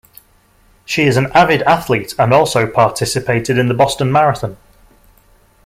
She is an avid athlete and also participated in the Boston Marathon.